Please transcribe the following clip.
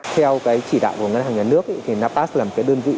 theo cái chỉ đạo của ngân hàng nhà nước thì napas là một cái đơn vị